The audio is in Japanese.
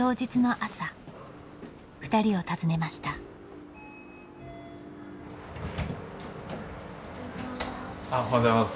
おはようございます。